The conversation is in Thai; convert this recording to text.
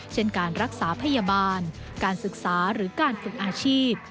เช่นการรักษาพยาบาลการศึกษาหรือการฝึกอาชีพ